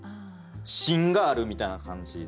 しんがあるみたいな感じで。